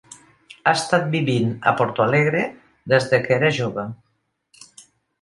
Ha estat vivint a Porto Alegre des de que era jove .